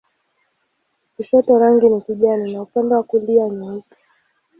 Kushoto rangi ni kijani na upande wa kulia nyeupe.